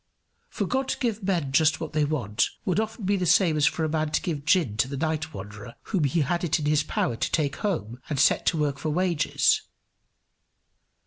For God to give men just what they want would often be the same as for a man to give gin to the night wanderer whom he had it in his power to take home and set to work for wages.